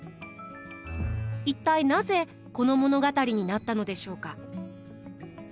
一体なぜこの物語になったのでしょうか？